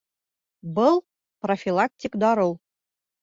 Был профилактик дарыу